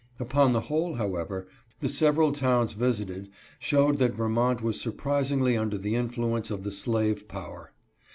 Upon the whole, however, the several towns visited showed that Vermont was surprisingly under the influence of the slave power.